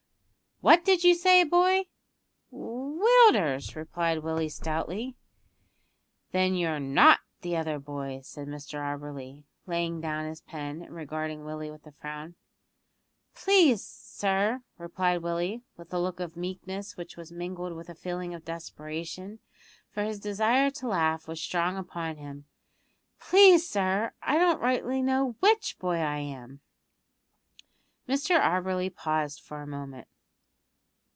"What did you say, boy?" "Willders," replied Willie stoutly. "Then you're not the other boy," said Mr Auberly, laying down his pen, and regarding Willie with a frown. "Please, sir," replied Willie, with a look of meekness which was mingled with a feeling of desperation, for his desire to laugh was strong upon him, "please, sir, I don't rightly know which boy I am." Mr Auberly paused for a moment.